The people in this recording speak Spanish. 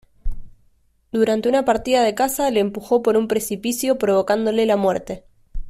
Durante una partida de caza le empujó por un precipicio provocándole la muerte.